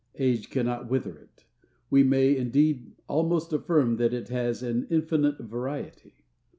"Age cannot wither it." We may indeed almost affirm that it has an "infinite variety."